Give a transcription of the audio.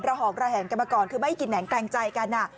หองระแหงกันมาก่อนคือไม่กินแหนงแกลงใจกัน